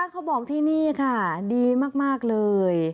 เขาบอกที่นี่ค่ะดีมากเลย